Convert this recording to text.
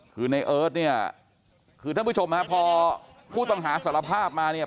คือในเอิร์ทเนี่ยคือท่านผู้ชมฮะพอผู้ต้องหาสารภาพมาเนี่ย